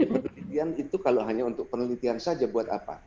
penelitian itu kalau hanya untuk penelitian saja buat apa